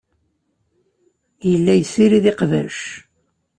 Yella yessirid iqbac.